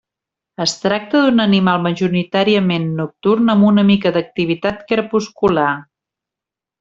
Es tracta d'un animal majoritàriament nocturn amb una mica d'activitat crepuscular.